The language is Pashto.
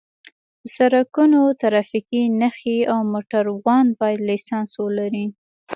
په سرکونو ټرافیکي نښې او موټروان باید لېسنس ولري